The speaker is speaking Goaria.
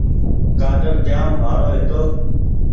گآڊر جآم بآرو هيتو